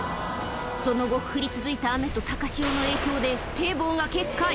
その後、降り続いた雨と高潮の影響で堤防が決壊。